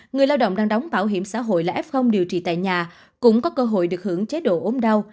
người lao động đang đóng bảo hiểm xã hội là f điều trị tại nhà cũng có cơ hội được hưởng chế độ ốm đau